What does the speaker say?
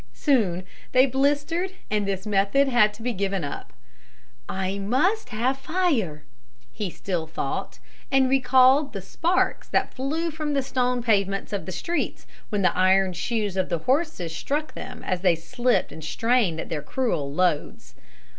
Soon they blistered and this method had to be given up. "I must have fire," he still thought, and recalled the sparks that flew from the stone pavements of the streets when the iron shoes of the horses struck them as they slipped and strained at their cruel loads.